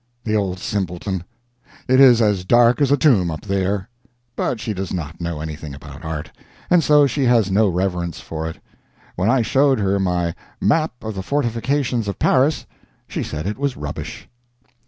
The old simpleton! it is as dark as a tomb up there. But she does not know anything about art, and so she has no reverence for it. When I showed her my "Map of the Fortifications of Paris," she said it was rubbish.